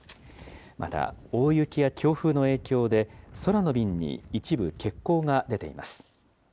また、大雪や強風の影響で、空の便に一部欠航が出ています。